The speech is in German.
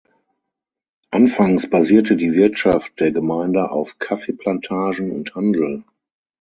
Anfangs basierte die Wirtschaft der Gemeinde auf Kaffeeplantagen und Handel.